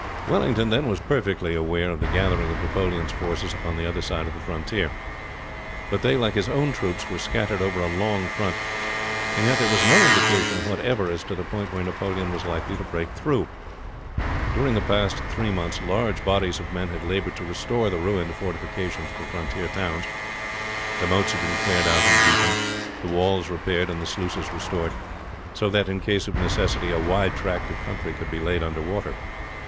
Wellington, then, was perfectly aware of the gathering of Napoleon's forces upon the other side of the frontier; but they, like his own troops were scattered over a long front, and yet there was no indication whatever as to the point where Napoleon was likely to break through. During the past three months large bodies of men had labored to restore the ruined fortifications of the frontier towns. The moats had been cleared out and deepened, the walls repaired, and the sluices restored, so that in case of necessity a wide tract of country could be laid under water.